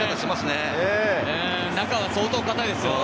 中は相当堅いですよ。